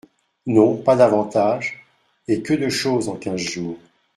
Non, pas davantage ; et que de choses en quinze jours !